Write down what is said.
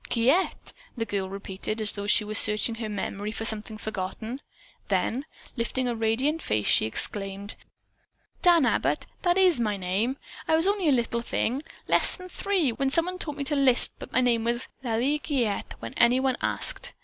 "Giguette!" the girl repeated as though she were searching her memory for something forgotten. Then lifting a radiant face, she exclaimed: "Dan Abbott, that is my name. I was only a little thing, less than three, when someone taught me to lisp that my name was 'Lalie Giguette' when anyone asked.